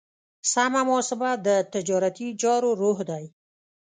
سمه محاسبه د تجارتي چارو روح دی.